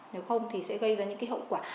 nếu không thì sẽ gây ra những hậu quả